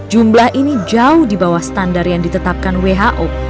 jumlah ini jauh di bawah standar yang ditetapkan who